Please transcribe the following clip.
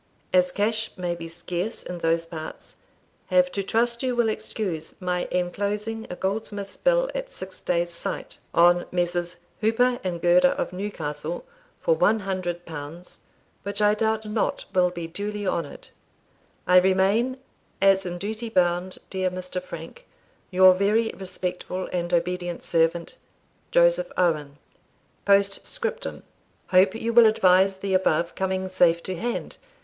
As cash may be scarce in those parts, have to trust you will excuse my enclosing a goldsmith's bill at six days' sight, on Messrs. Hooper and Girder of Newcastle, for L100, which I doubt not will be duly honoured. I remain, as in duty bound, dear Mr. Frank, your very respectful and obedient servant, "Joseph Owen. "Postscriptum. Hope you will advise the above coming safe to hand.